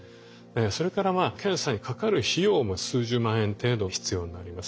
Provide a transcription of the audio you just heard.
それから検査にかかる費用も数十万円程度必要になります。